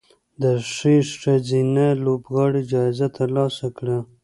د ښې ښځینه لوبغاړې جایزه ترلاسه کړه